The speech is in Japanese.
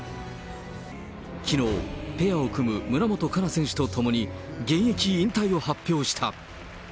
きのう、ペアを組む村元哉中選手と共に、現役引退を発表した。